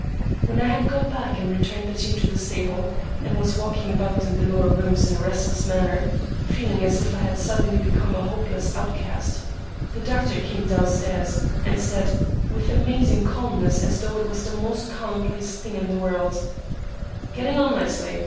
When I had got back and returned the team to the stable, and was walking about the lower rooms in a restless manner, feeling as if I had suddenly become a hopeless outcast, the doctor came down stairs, and said, with amazing calmness, as though it was the most commonplace thing in the world,— "Getting on nicely.